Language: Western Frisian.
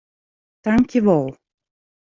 Tankjewol.